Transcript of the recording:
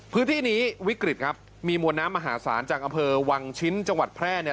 พื้นที่นี้วิกฤตครับมีมวลน้ำมหาศาลจากอำเภอวังชิ้นจังหวัดแพร่เนี่ย